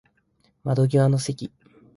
窓際の席